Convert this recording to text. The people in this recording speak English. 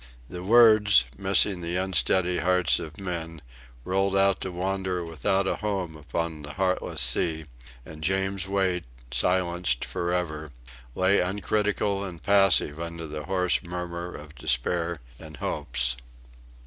The words, missing the unsteady hearts of men, rolled out to wander without a home upon the heartless sea; and James Wait, silenced for ever, lay uncritical and passive under the hoarse murmur of despair and hopes.